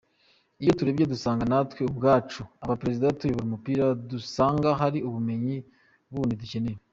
Iyo turebye dusanga natwe ubwacu, abaperezida tuyobora umupira dusanga hari ubumenyi bundi dukeneye.